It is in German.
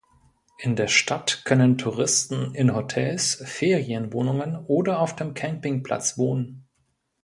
In der Stadt können Touristen in Hotels, Ferienwohnungen oder auf dem Campingplatz wohnen.